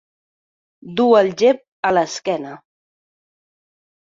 Dur el gep a l'esquena.